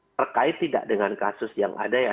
terkait tidak dengan kasus yang ada ya